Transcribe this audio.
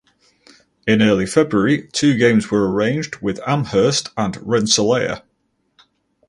In early February two games were arranged with Amherst and Rensselaer.